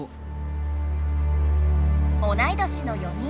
同い年の４人。